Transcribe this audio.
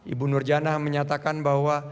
ibu nurjannah menyatakan bahwa